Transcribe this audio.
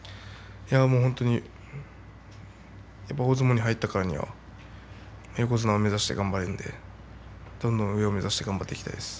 本当に大相撲に入ったからには横綱を目指して頑張るのでどんどん上を目指して頑張っていきたいです。